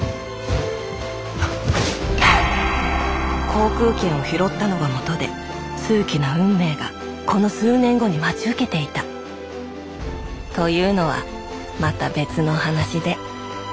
航空券を拾ったのがもとで数奇な運命がこの数年後に待ち受けていたもしもし。